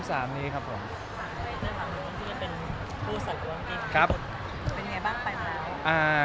เป็นไงบ้างไปมาแล้ว